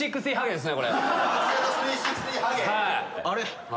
あれ？